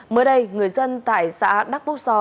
mới đây người dân tại xã đắc búc so